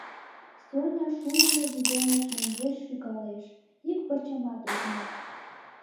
— Соня шуйымо бидоным мӧҥгеш шӱкалеш, ик пырчымат ок нал.